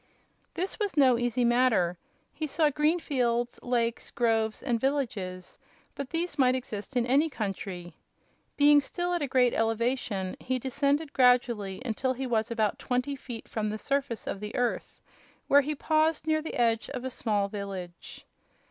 This was no easy matter. He saw green fields, lakes, groves and villages; but these might exist in any country. Being still at a great elevation he descended gradually until he was about twenty feet from the surface of the earth, where he paused near the edge of a small village.